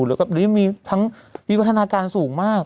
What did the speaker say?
หรือทั้งวิวัฒนาการสูงมาก